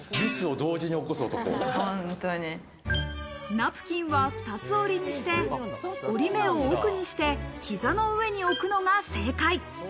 ナプキンは二つ折りにして折り目を奥にして膝の上に置くのが正解。